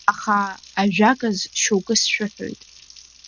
Аха, ажәаказ шьоукы сшәыҳәоит…